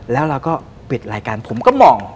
แล้วเราก็ปิดรายการผมก็มอง